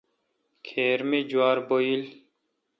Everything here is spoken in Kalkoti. کھیر می جوار بھویل۔